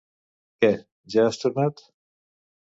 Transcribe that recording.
Què, ja has tornat?